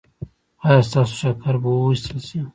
ایا ستاسو شکر به وویستل شي؟